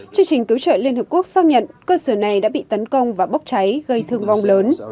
chương trình cứu trợ liên hợp quốc xác nhận cơ sở này đã bị tấn công và bốc cháy gây thương vong lớn